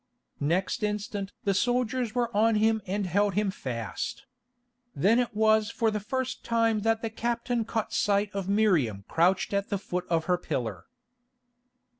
Next instant the soldiers were on him and held him fast. Then it was for the first time that the captain caught sight of Miriam crouched at the foot of her pillar.